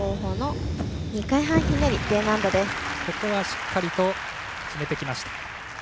しっかりと決めてきました。